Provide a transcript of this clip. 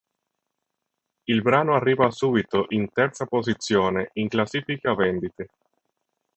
Il brano arriva subito in terza posizione in classifica vendite.